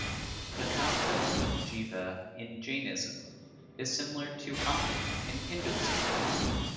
The concept of "jiva" in Jainism is similar to "atman" in Hinduism.